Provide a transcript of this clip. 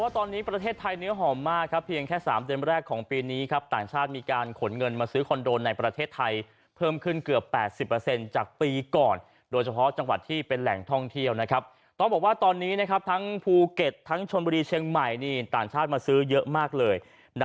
ตอนนี้ประเทศไทยเนื้อหอมมากครับเพียงแค่๓เดือนแรกของปีนี้ครับต่างชาติมีการขนเงินมาซื้อคอนโดในประเทศไทยเพิ่มขึ้นเกือบ๘๐จากปีก่อนโดยเฉพาะจังหวัดที่เป็นแหล่งท่องเที่ยวนะครับต้องบอกว่าตอนนี้นะครับทั้งภูเก็ตทั้งชนบุรีเชียงใหม่นี่ต่างชาติมาซื้อเยอะมากเลย